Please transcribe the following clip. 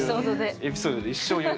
エピソードで一生言う。